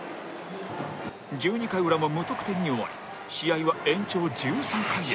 １２回裏も無得点に終わり試合は延長１３回へ